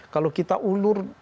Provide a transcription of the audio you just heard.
kalau kita ulur